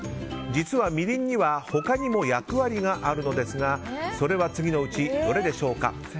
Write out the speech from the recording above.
実は、みりんには他にも役割があるのですがそれは次のうち、どれでしょうか。